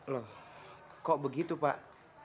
loh kok begitu pak